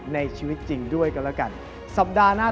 ในชีวิตจริงด้วยกันแล้วกัน